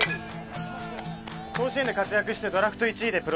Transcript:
甲子園で活躍してドラフト１位でプロ入り。